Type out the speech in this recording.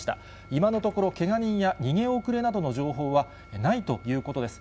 今のところ、けが人や逃げ遅れなどの情報はないということです。